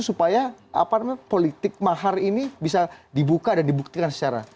supaya politik mahar ini bisa dibuka dan dibuktikan secara